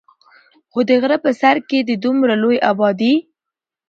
خو د غرۀ پۀ سر کښې د دومره لوے ابادي